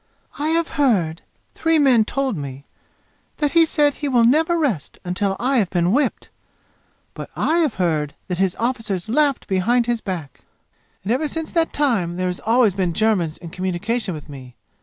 "I have heard three men told me that he said he will never rest until I have been whipped! But I have heard that his officers laughed behind his back. And ever since that time there have always been Germans in communication with me.